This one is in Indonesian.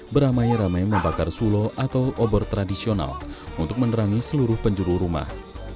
beramai ramai membakar sulo atau obor tradisional untuk menerangi seluruh penjuru rumah